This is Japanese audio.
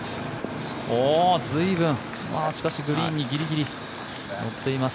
随分しかしグリーンにギリギリ乗っています。